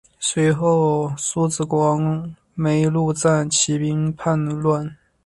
随后苏毗国王没庐赞起兵叛乱。